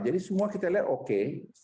jadi semua kita lihat oke